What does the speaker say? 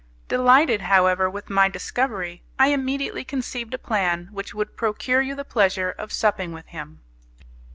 Delighted, however, with my discovery, I immediately conceived a plan which would procure you the pleasure of supping with him.